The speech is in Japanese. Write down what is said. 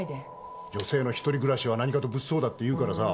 女性の１人暮らしは何かと物騒だっていうからさ。